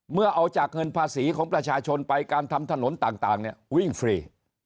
เมื่อเอาจากเงินภาษีของประชาชนไปการทำถนนต่างวิ่งฟรี